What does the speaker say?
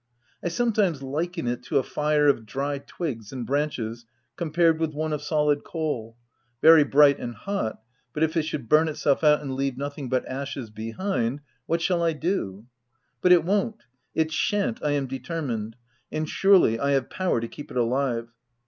I sometimes liken it to a fire of dry twigs and branches compared with one of solid coal, — very bright and hot, but if it should burn itself out and leave nothing but ashes behind, what shall I do ? But it won't— it shan't, I am de termined — and surely I have power to keep it alive.